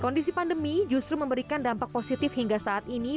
kondisi pandemi justru memberikan dampak positif hingga saat ini